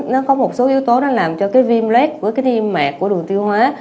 nó có một số yếu tố nó làm cho cái viêm lét của cái niêm mạc của đường tiêu hóa